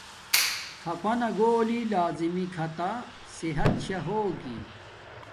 تھاپانا گھولی لازمی کھاتا صحت شا ہوگی